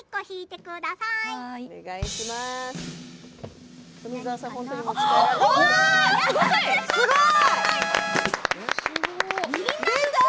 すごい！